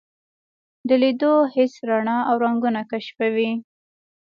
د لیدو حس رڼا او رنګونه کشفوي.